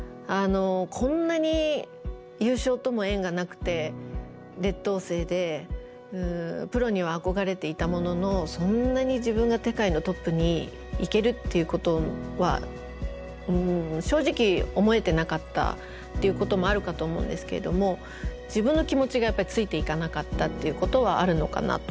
こんなに優勝とも縁がなくて劣等生でプロには憧れていたもののそんなに自分が世界のトップに行けるっていうことは正直思えてなかったっていうこともあるかと思うんですけれども自分の気持ちがやっぱりついていかなかったっていうことはあるのかなと。